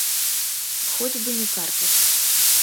Хоць бы не каркаць.